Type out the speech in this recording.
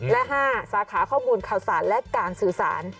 และ๕สาขาข้อมูลข่าวสารและการสื่อสาร